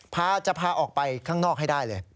พาจะพาออกไปข้างนอกให้ได้เลย